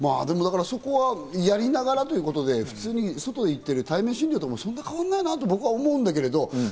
そこはやりながらということで、普通に外で行ってる対面診療とそんな変わんないなと僕は思うんだけど。